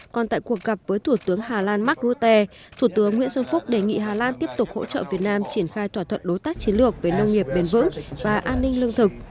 còn tại cuộc gặp với thủ tướng hà lan mark rutte thủ tướng nguyễn xuân phúc đề nghị hà lan tiếp tục hỗ trợ việt nam triển khai thỏa thuận đối tác chiến lược về nông nghiệp bền vững và an ninh lương thực